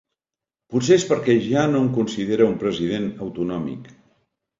Potser és perquè ja no em considera un president autonòmic.